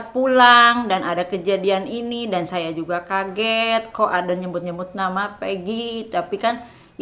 pulang dan ada kejadian ini dan saya juga kaget kok ada nyebut nyebut nama pegi tapi kan